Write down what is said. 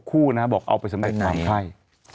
คู่นะบอกเอาไปสำเร็จความไข้